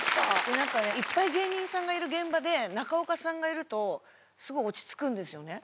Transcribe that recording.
なんかねいっぱい芸人さんがいる現場で中岡さんがいるとスゴい落ち着くんですよね。